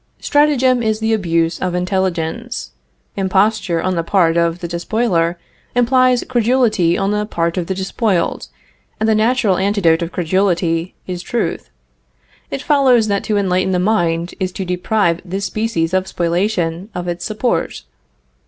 Stratagem is the abuse of intelligence. Imposture on the part of the despoiler implies credulity on the part of the despoiled, and the natural antidote of credulity is truth. It follows that to enlighten the mind is to deprive this species of spoliation of its support.